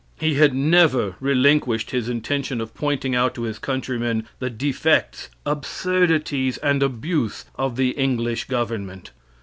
He had never relinquished his intention of pointing out to his countrymen the defects, absurdities, and abuse of the English government.